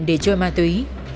cần tiền để chơi ma túy